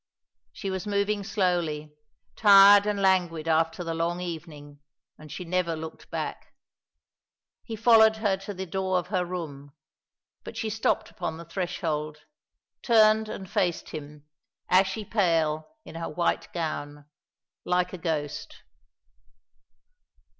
She was moving slowly, tired and languid after the long evening, and she never looked back. He followed her to the door of her room; but she stopped upon the threshold, turned and faced him, ashy pale in her white gown, like a ghost.